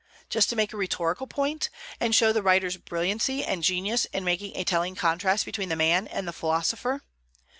just to make a rhetorical point, and show the writer's brilliancy and genius in making a telling contrast between the man and the philosopher.